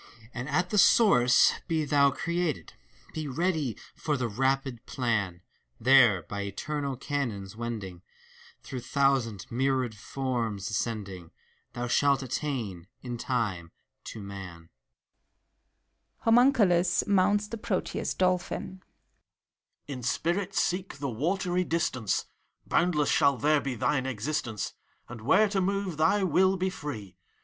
And at the source be thou created ! Be ready for the rapid plan ! There, by eternal canons wending. Through thousand, myriad forms ascending. Thou shalt attain, in time, to Man. (HOMUNCULUS mounts the Proteus Dolphin.) PROTBUS. In spirit seek the watery distance! Boundless shaU there be thine existence, And where to move, thy will be free.